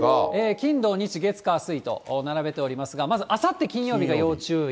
金、土、日、月、火、水と並べておりますが、まずあさって金曜日が要注意。